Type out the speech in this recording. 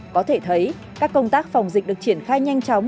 có thể thấy các công tác phòng dịch được triển khai nhanh chóng